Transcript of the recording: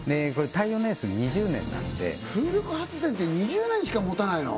耐用年数２０年なんで風力発電って２０年しかもたないの？